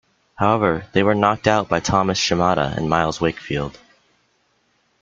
However they were knocked out by Thomas Shimada and Myles Wakefield.